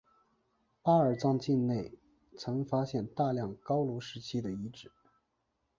巴尔藏境内曾发现大量高卢时期的遗址。